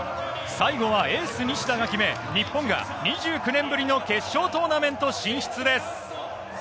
最後はエース・西田が決め、日本が２９年ぶりの決勝トーナメント進出です。